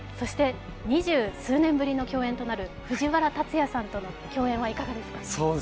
二十数年ぶりとなる藤原竜也さんとの共演はいかがですか？